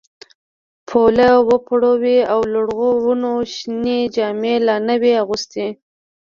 پوله وپړه وې او لغړو ونو شنې جامې لا نه وې اغوستي.